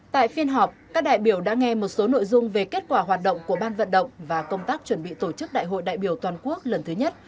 tại phiên họp các đại biểu đã nghe một số nội dung về kết quả hoạt động của ban vận động và công tác chuẩn bị tổ chức đại hội đại biểu toàn quốc lần thứ nhất